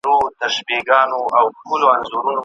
سړې اوږدې شپې به یې سپیني کړلې